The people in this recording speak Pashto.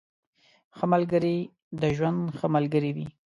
ښه ملګري د ژوند ښه ملګري وي.